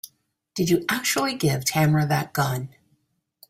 Did you actually give Tamara that gun?